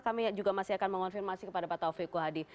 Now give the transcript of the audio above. kami juga masih akan mengonfirmasi kepada pak taufik kuhadi